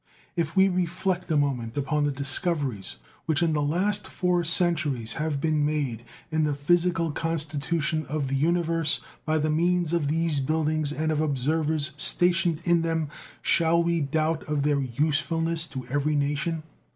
If we reflect a moment upon the discoveries which in the last four centuries have been made in the physical constitution of the universe by the means of these buildings and of observers stationed in them, shall we doubt of their usefulness to every nation?